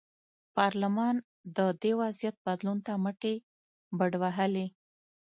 پارلمان د دې وضعیت بدلون ته مټې بډ وهلې.